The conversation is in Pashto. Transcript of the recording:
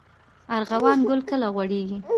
ارغوان ګل کله غوړیږي؟